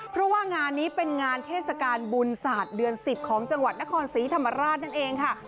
เพราะว่างานนี้เป็นงานเทศกาลบุญศาสตร์เดือน๑๐ของจังหวัดนครศรีธรรมราชนั่นเองค่ะ